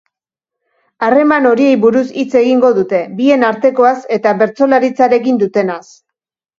Harreman horiei buruz hitz egingo dute, bien artekoaz eta bertsolaritzarekin dutenaz.